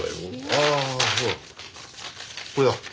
ああほらこれだ。